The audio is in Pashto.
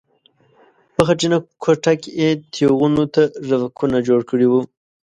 په خټینه کوټه کې یې تیغونو ته رپکونه جوړ کړي وو.